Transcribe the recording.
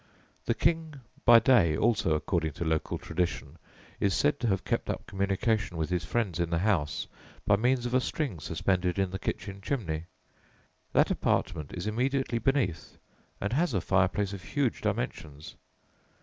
The King by day, also according to local tradition, is said to have kept up communication with his friends in the house by means of a string suspended in the kitchen chimney. That apartment is immediately beneath, and has a fireplace of huge dimensions.